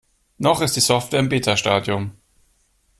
Noch ist die Software im Beta-Stadium.